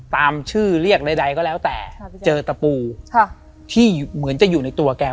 ตามชื่อเรียกใดก็แล้วแต่เจอตะปูที่เหมือนจะอยู่ในตัวแก